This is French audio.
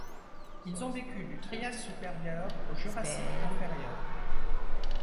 Ils ont vécu du Trias supérieur au Jurassique inférieur.